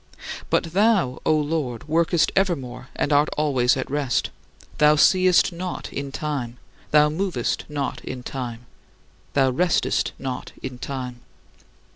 But thou, O Lord, workest evermore and art always at rest. Thou seest not in time, thou movest not in time, thou restest not in time.